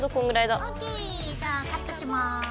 じゃあカットします。